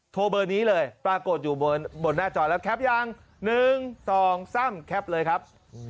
เบอร์นี้เลยปรากฏอยู่บนหน้าจอแล้วแคปยัง๑๒๓แคปเลยครับ